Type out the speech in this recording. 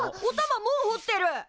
おたまもうほってる！